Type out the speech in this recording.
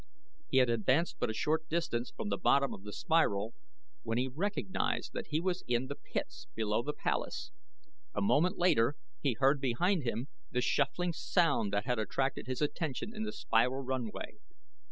He had advanced but a short distance from the bottom of the spiral when he recognized that he was in the pits below the palace. A moment later he heard behind him the shuffling sound that had attracted his attention in the spiral runway.